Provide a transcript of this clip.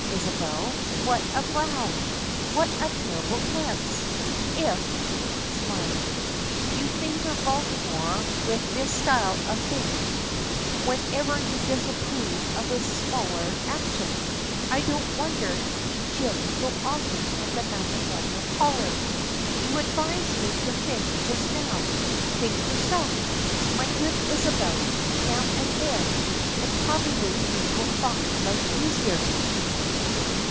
Isabel, what a brow! What a terrible glance! If," smiling, "you favor Baltimore with this style of thing whenever you disapprove of his smallest action I don't wonder he jibs so often at the matrimonial collar. You advised me to think just now; think yourself, my good Isabel, now and then, and probably you will find life easier."